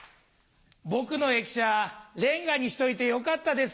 僕の駅舎レンガにしといてよかったです。